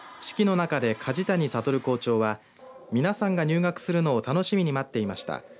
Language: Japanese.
式の中で梶谷悟校長は皆さんが入学するのを楽しみに待っていました。